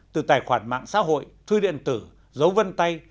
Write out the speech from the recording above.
từ tài khoản mạng xã hội thư điện tử dấu vân tay